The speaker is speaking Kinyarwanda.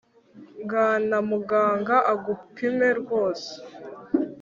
gana muganga agupime rwose